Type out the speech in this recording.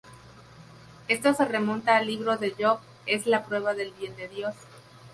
Esto se remonta al libro de Job, es la prueba del bien de Dios.